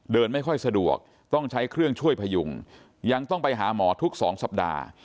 ไม่ค่อยสะดวกต้องใช้เครื่องช่วยพยุงยังต้องไปหาหมอทุก๒สัปดาห์